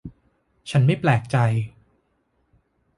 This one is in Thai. ฉันไม่แปลกใจ